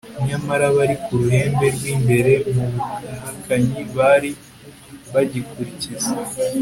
nyamara abari ku ruhembe rw'imbere mu buhakanyi bari bagikurikiza